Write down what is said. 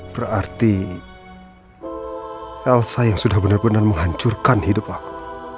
berarti elsa yang sudah benar benar menghancurkan hidup aku